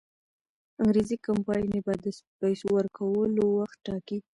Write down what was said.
انګریزي کمپانۍ به د پیسو د ورکولو وخت ټاکي.